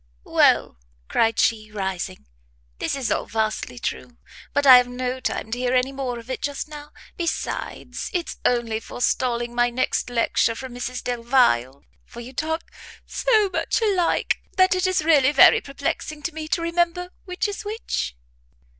"Well," cried she, rising, "this is all vastly true; but I have no time to hear any more of it just now; besides, it's only forestalling my next lecture from Mrs Delvile, for you talk so much alike, that it is really very perplexing to me to remember which is which."